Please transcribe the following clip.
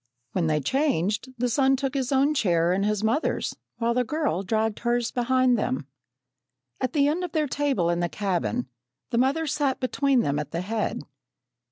When they changed, the son took his own chair and his mother's, while the girl dragged hers behind them. At the end of their table in the cabin, the mother sat between them at the head.